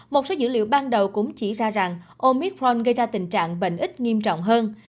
một số dữ liệu ban đầu cũng chỉ ra rằng omid fron gây ra tình trạng bệnh ít nghiêm trọng hơn